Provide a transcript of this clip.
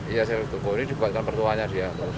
iya sekaligus toko ini juga tempat mertuanya dia